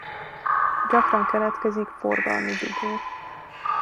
Gyakran keletkezik forgalmi dugó.